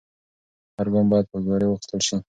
هر ګام باید په هوښیارۍ واخیستل سي.